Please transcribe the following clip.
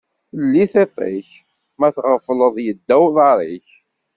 Lli tiṭ-ik, ma tɣefleḍ yedda uḍaṛ-ik.